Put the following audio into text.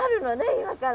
今から。